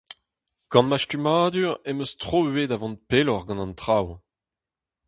Gant ma stummadur am eus tro ivez da vont pelloc'h gant an traoù.